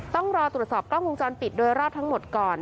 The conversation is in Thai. ต้องรอตรวจสอบกล้องวงจรปิดโดยรอบทั้งหมดก่อน